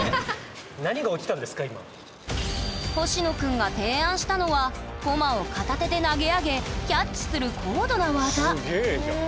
ほしのくんが提案したのはコマを片手で投げ上げキャッチする高度な技すげえじゃん。